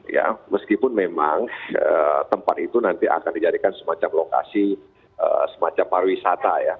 ya meskipun memang tempat itu nanti akan dijadikan semacam lokasi semacam parwisata ya